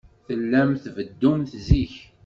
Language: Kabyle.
Tellamt tbeddumt zik.